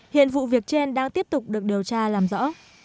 hiện vụ việc trên đang tiếp tục được điều tra làm rõ